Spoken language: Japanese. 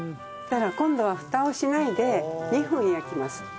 今度はふたをしないで２分焼きます。